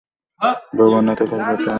বাবা না থাকার ব্যাথা আমি হাড়ে হাড়ে বুঝি।